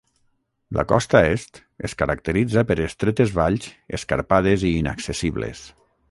La costa est es caracteritza per estretes valls escarpades i inaccessibles.